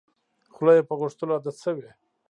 خوله یې په غوښتلو عادت شوې.